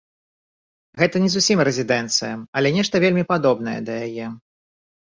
Гэта не зусім рэзідэнцыя, але нешта вельмі падобнае да яе.